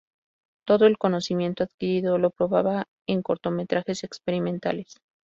Todo el conocimiento adquirido lo probaba en cortometrajes experimentales.